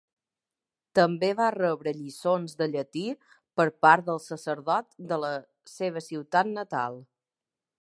També va rebre lliçons de llatí per part del sacerdot de la seva ciutat natal.